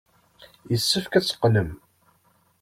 Yessefk ad teqqlem.